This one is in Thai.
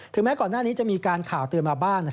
แม้ก่อนหน้านี้จะมีการข่าวเตือนมาบ้าง